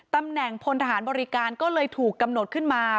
ตำแหน่งพลทหารบริการก็เลยถูกกำหนดขึ้นมา